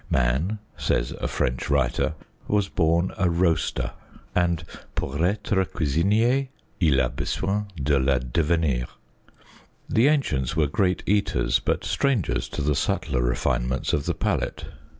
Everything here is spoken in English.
Man, says a French writer, was born a roaster, and " pour ttre cuisinier, il a besoin de le devenir." The ancients were great eaters, but strangers to the subtler refinements of the palate.